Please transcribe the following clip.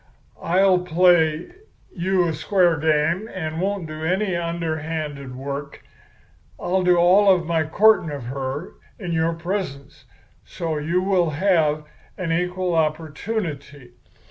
I'll play you a square game, and won't do any underhanded work. I'll do all of my courting of her in your presence, so you will have an equal opportunity.